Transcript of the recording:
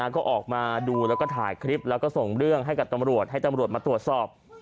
ก็ออกมาดูแล้วก็ถ่ายคลิปแล้วก็ส่งเรื่องให้กับตำรวจให้ตำรวจมาตรวจสอบ